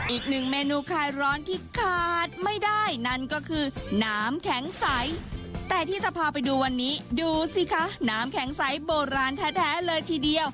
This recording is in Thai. อีกหนึ่งเมนูคลายร้อนที่ขาดไม่ได้นั่นก็คือน้ำแข็งใสแต่ที่จะพาไปดูวันนี้ดูสิคะน้ำแข็งใสโบราณแท้เลยทีเดียว